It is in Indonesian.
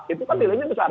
itu kan nilainya besar